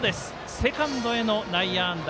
セカンドへの内野安打。